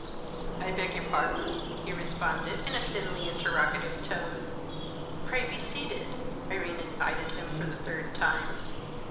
"I beg your pardon?" he responded, in a thinly interrogative tone. "Pray be seated," Irene invited him for the third time.